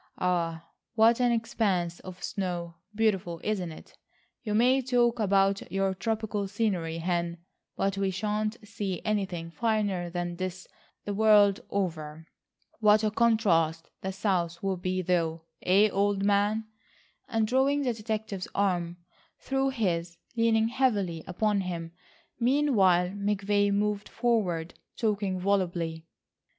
Ah, what an expanse of snow. Beautiful, isn't it? You may talk about your tropical scenery, Hen, but we shan't see anything finer than this the world over. What a contrast the south will be though, eh, old man?" and, drawing the detective's arm through his, leaning heavily upon him meanwhile, McVay moved forward, talking volubly.